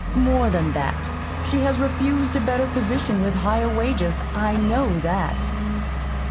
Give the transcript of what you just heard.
More than that, she has refused a better position with higher wages I know that.